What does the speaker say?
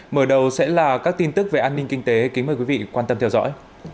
mở đầu sẽ là các tin tức về an ninh kinh tế kính mời quý vị quan tâm theo dõi